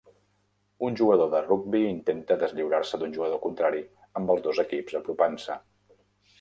Un jugador de rugbi intenta deslliurar-se d'un jugador contrari amb els dos equips apropant-se.